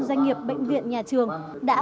doanh nghiệp bệnh viện nhà trường đã